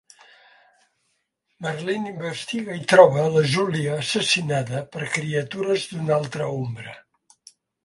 Merlin investiga i troba la Julia assassinada per criatures d'una altra ombra.